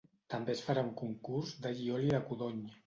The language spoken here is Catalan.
També és farà un concurs d’all i oli de codony.